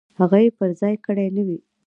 هغه یې پر ځای کړې نه وي.